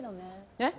えっ？